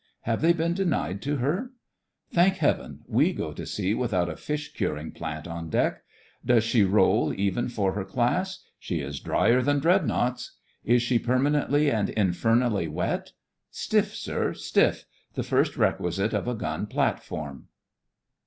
Have they been denied to her? Thank Heaven, we go to sea without a fish curing THE FRINGES OF THE FLEET 111 plant on deck. Does she roll, even for her class? She is drier than Dreadnoughts. Is she permanently and infernally wet.' Stiff, sir — stiff: the first requisite of a gun platform.